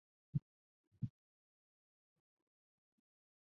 曹禺的父亲万德尊曾任黎元洪的秘书。